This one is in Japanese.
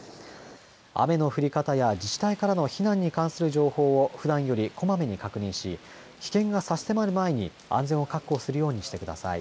雨の降り方や自治体からの避難に関する情報をふだんよりこまめに確認し危険が差し迫る前に安全を確保するようにしてください。